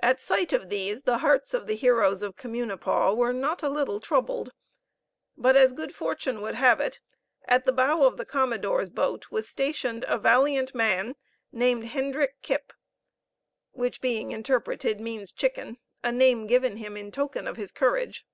At sight of these the hearts of the heroes of Communipaw were not a little troubled. But as good fortune would have it, at the bow of the commodore's boat was stationed a valiant man, named Hendrick Kip (which, being interpreted, means chicken, a name given him in token of his courage).